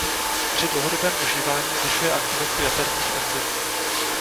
Při dlouhodobém užívání zvyšuje aktivitu jaterních enzymů.